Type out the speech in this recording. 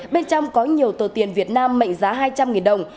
bên trong có nhiều tờ tiền việt nam mệnh giá hai trăm linh đồng